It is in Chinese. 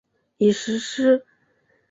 已实施。